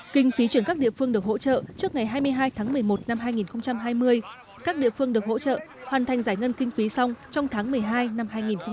kinh phí chuyển các địa phương được hỗ trợ trước ngày hai mươi hai tháng một mươi một năm hai nghìn hai mươi các địa phương được hỗ trợ hoàn thành giải ngân kinh phí xong trong tháng một mươi hai năm hai nghìn hai mươi